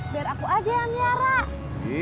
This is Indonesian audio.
biar aku aja yang niara